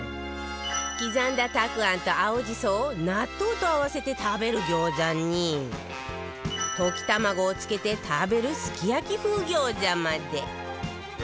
刻んだたくあんと青じそを納豆と合わせて食べる餃子に溶き卵をつけて食べるすき焼き風餃子まで